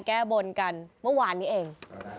แก้บนกันเมื่อวานนี้เอง